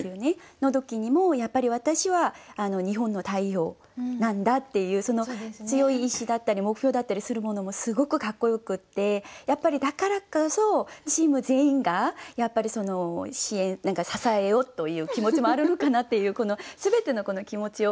の時にもやっぱり私は日本の代表なんだっていう強い意志だったり目標だったりするものもすごくかっこよくてだからこそチーム全員が支えようという気持ちもあるのかなっていう全てのこの気持ちを。